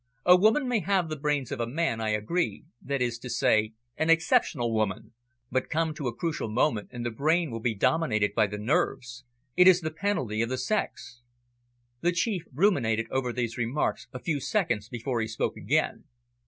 "A woman may have the brains of a man, I agree, that is to say, an exceptional woman, but come to a crucial moment, and the brain will be dominated by the nerves. It is the penalty of the sex." The Chief ruminated over these remarks a few seconds before he spoke again.